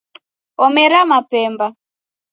Omera mapemba